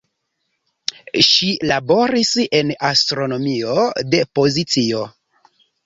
Ŝi laboris en astronomio de pozicio.